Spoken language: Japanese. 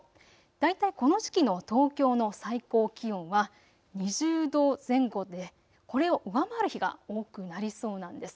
大体この時期の東京の最高気温は２０度前後で、これを上回る日が多くなりそうなんです。